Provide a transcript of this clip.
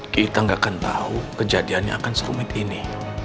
kita gak akan tahu kejadian yang akan serumit ini